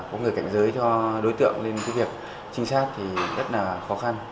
cũng như là có người cảnh giới cho đối tượng lên cái việc trinh sát thì rất là khó khăn